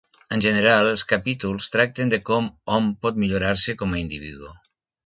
En general, els capítols tracten de com hom pot millorar-se com a individu.